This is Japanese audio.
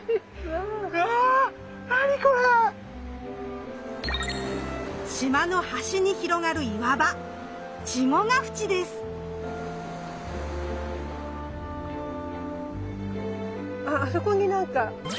うわ何これ⁉島の端に広がる岩場あそこに何か。